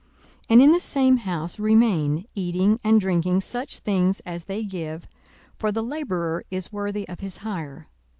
42:010:007 And in the same house remain, eating and drinking such things as they give: for the labourer is worthy of his hire.